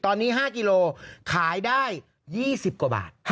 ตอนนี้๕กิโลขายได้๒๐กว่าบาท